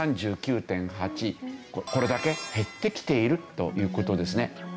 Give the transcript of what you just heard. これだけ減ってきているという事ですね。